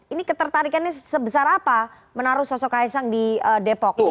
ini ketertarikannya sebesar apa menaruh sosok kaisang di depok